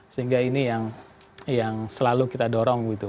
sehingga ini yang selalu kita dorong gitu